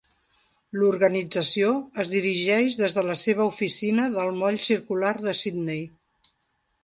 L'organització es dirigeix des de la seva oficina del moll circular de Sydney.